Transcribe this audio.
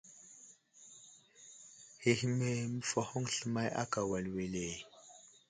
Hehme məfahoŋ slemay akà wal wele ?